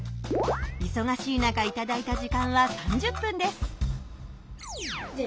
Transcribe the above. いそがしい中いただいた時間は３０分です。